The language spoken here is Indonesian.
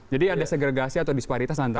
jadi ada segregasi atau disparitas antara